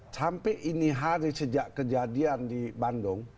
sampai ini hari sejak kejadian di bandung